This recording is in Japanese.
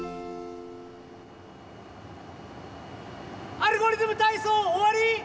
「アルゴリズムたいそう」おわり！